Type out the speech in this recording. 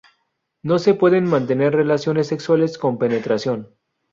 No se pueden mantener relaciones sexuales con penetración.